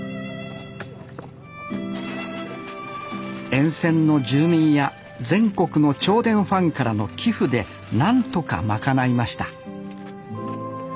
沿線の住民や全国の銚電ファンからの寄付で何とか賄いました。